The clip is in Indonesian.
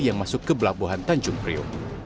yang masuk ke pelabuhan tanjung priok